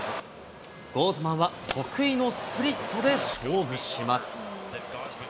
ゴーズマンは、得意のスプリットで勝負します。